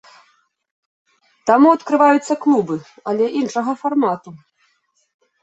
Таму адкрываюцца клубы, але іншага фармату.